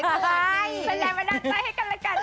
อะไรเป็นแรงบันดาลใจให้กันแล้วกัน